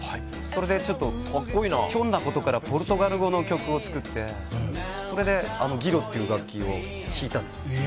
それで、ひょんなことからポルトガル語の曲を作ってそれでギロという楽器を弾いたんです。